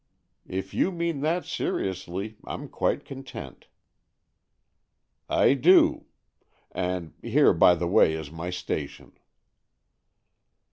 ''If you mean that seriously Fm quite content." " I do. And here by the way is my station."